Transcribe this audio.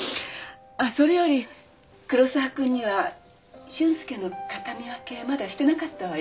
あっそれより黒沢君には俊介の形見分けまだしてなかったわよね。